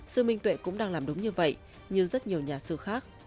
sư minh tuệ cũng đang làm đúng như vậy nhưng rất nhiều nhà sư khác